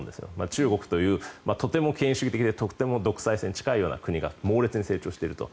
中国というとても権威主義的でとっても独裁に近い国が猛烈に成長していると。